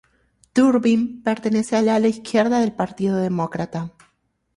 Durbin pertenece al ala izquierda del Partido Demócrata.